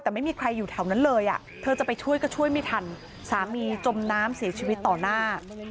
แต่ไม่มีใครอยู่แถวนั้นเลยเธอจะไปช่วยก็ช่วยไม่ทันสามีจมน้ำเสียชีวิตต่อหน้า